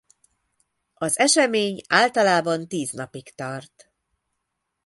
Az esemény általában tíz napig tart.